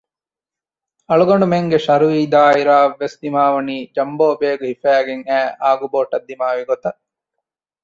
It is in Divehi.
އަޅުގަނޑުމެންގެ ޝަރުއީ ދާއިރާ އަށްވެސް ދިމާވަނީ ޖަމްބޯ ބޭގް ހިފައިގެން އައި އާގުބޯޓަށް ދިމާވި ގޮތަށް